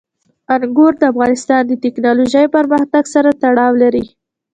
انګور د افغانستان د تکنالوژۍ پرمختګ سره تړاو لري.